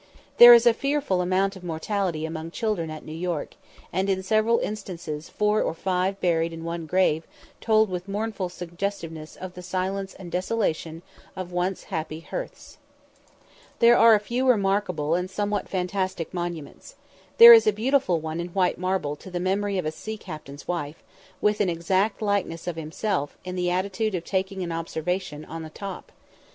There is a fearful amount of mortality among children at New York, and in several instances four or five buried in one grave told with mournful suggestiveness of the silence and desolation of once happy hearths. There are a few very remarkable and somewhat fantastic monuments. There is a beautiful one in white marble to the memory of a sea captain's wife, with an exact likeness of himself, in the attitude of taking an observation, on the top.